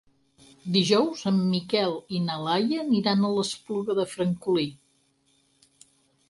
Dijous en Miquel i na Laia aniran a l'Espluga de Francolí.